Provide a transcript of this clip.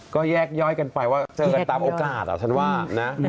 ก็แยกย่อยกันไปว่าเจอกันตามโอกาสฉันว่านะ